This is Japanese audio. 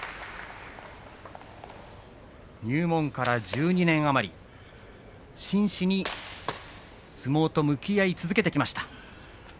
入門から１２年余り真摯に相撲と向き合い続けてきました。